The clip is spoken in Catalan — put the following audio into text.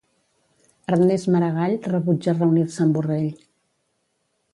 Ernest Maragall rebutja reunir-se amb Borrell